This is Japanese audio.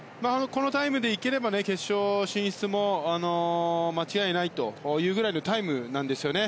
このタイムでいければ決勝進出も間違いないというぐらいのタイムなんですよね。